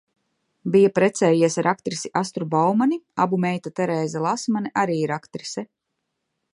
Bija precējies ar aktrisi Astru Baumani, abu meita Terēze Lasmane arī ir aktrise.